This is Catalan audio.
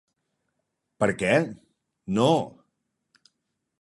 Per què? No!